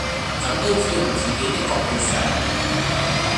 怎都只用自己的角度想！